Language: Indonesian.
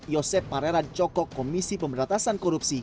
yosep parera cokok komisi pemberatasan korupsi